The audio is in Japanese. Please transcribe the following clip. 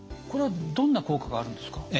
これはどんな効果があるんですか？